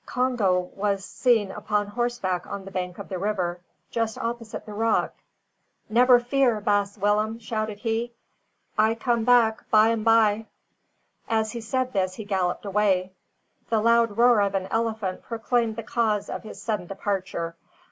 Congo was seen upon horseback on the bank of the river, just opposite the rock. "Nebber fear, baas Willem," shouted he. "I come back by 'm by." As he said this, he galloped away. The loud roar of an elephant proclaiming the cause of his sudden departure.